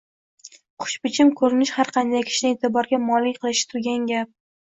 Xushbichim ko`rinish har qanday kishini e`tiborga molik qilishi turgan gap